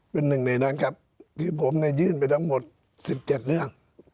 เป็นหนึ่งในนั้นครับที่ผมยื่นไปทั้งหมด๑๗เรื่อง